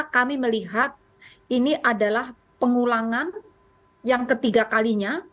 kami melihat ini adalah pengulangan yang ketiga kalinya